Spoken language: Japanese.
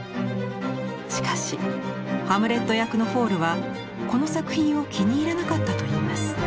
しかしハムレット役のフォールはこの作品を気に入らなかったといいます。